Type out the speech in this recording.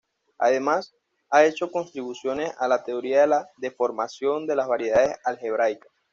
Además, ha hecho contribuciones a la teoría de la deformación de las variedades algebraicas.